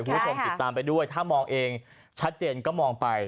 คุณผู้ชมติดตามไปด้วยถ้ามองเองชัดเจนก็มองไป